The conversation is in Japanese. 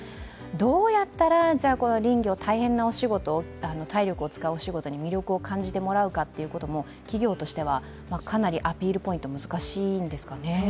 どうやったら林業、大変なお仕事、体力を使うお仕事に魅力を感じてもらうかということも企業としては、かなりアピールポイント、難しいんですかね。